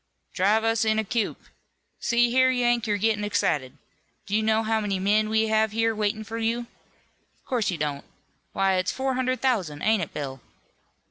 "Drive us in a coop. See here, Yank, you're gettin' excited. Do you know how many men we have here waitin' for you? Of course you don't. Why, it's four hundred thousand, ain't it, Bill?"